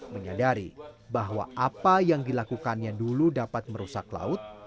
menyadari bahwa apa yang dilakukannya dulu dapat merusak laut